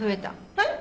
えっ？